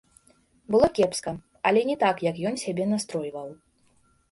Было кепска, але не так, як ён сябе настройваў.